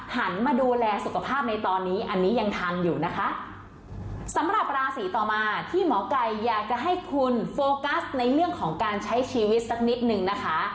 หันมาดูแลสุขภาพในตอนนี้อันนี้ยังทันอยู่นะคะสำหรับราศีต่อมาที่หมอไก่อยากจะให้คุณโฟกัสในเรื่องของการใช้ชีวิตสักนิดนึงนะคะ